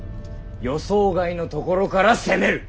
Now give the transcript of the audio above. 予想外の所から攻める。